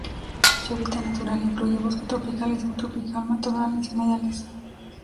Su hábitat natural incluye bosque tropical y subtropical, matorrales y humedales.